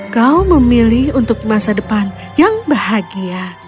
kau memilih untuk masa depan yang bahagia